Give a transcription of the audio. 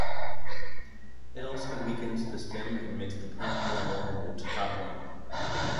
It also weakens the stem and makes the plant more vulnerable to toppling.